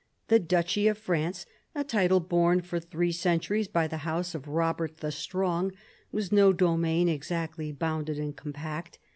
The duchy of France — a title borne for three centuries by the house of Eobert the Strong — was no domain exactly bounded and compact.